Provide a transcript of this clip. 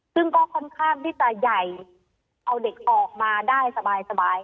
ซึ่งก็ค่อนข้างที่จะใหญ่เอาเด็กออกมาได้สบาย